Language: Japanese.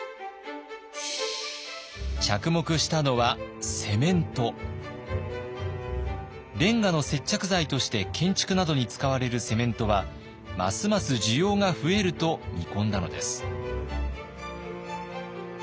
着目したのはレンガの接着剤として建築などに使われるセメントはますます需要が増えると見込んだのです。